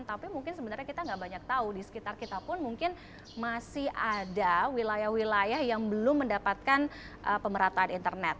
tapi mungkin sebenarnya kita nggak banyak tahu di sekitar kita pun mungkin masih ada wilayah wilayah yang belum mendapatkan pemerataan internet